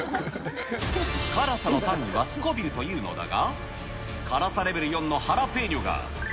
辛さの単位はスコヴィルというのだが、辛さレベル４のハラペーニョが、３０００